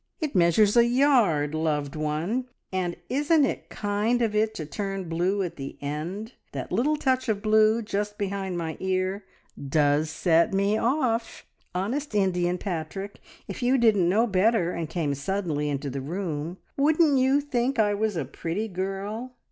It measures a yard, loved one! And isn't it kind of it to turn blue at the end? That little touch of blue just behind my ear does set me off! Honest Indian, Patrick! If you didn't know better, and came suddenly into the room, wouldn't you think I was a pretty girl?"